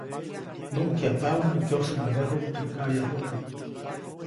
Nuʼkyajpaʼuŋ nä kyosäʼŋadäjuʼk teʼ kaʼyajubä.